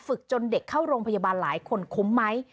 จนเด็กเข้าโรงพยาบาลหลายคนคุ้มไหม